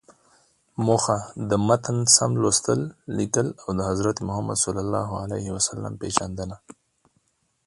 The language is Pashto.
موخه: د متن سم لوستل، ليکل او د حضرت محمد ﷺ پیژندنه.